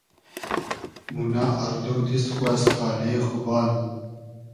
مونۂ آر دو دیست خو از تالې خو بال